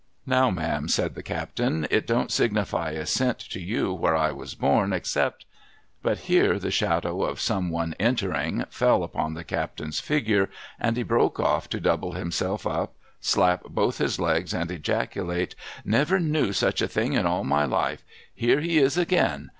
' Now, ma'am,' said the captain, ' it don't signify a cent to you where I was born, except ' But here the shadow of some one entering fell upon the captain's figure, and he broke off to double himself up, slap both his legs, and ejaculate, ' Never knew such a thing in all my life ! Here he is again